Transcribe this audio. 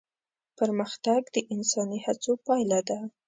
پرمختګ د انساني هڅو پايله ده.